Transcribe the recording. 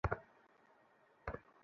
হ্যা, এক মিনিট।